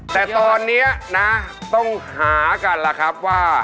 แต่ตอนนี้นะต้องหากันล่ะครับว่า